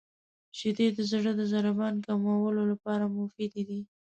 • شیدې د زړه د ضربان کمولو لپاره مفیدې دي.